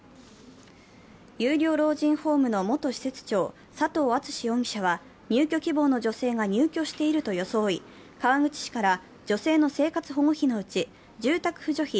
有料老人ホームの元施設長、佐藤篤容疑者は入居希望の女性が入居していると装い、川口市から女性の生活保護費のうち住宅扶助費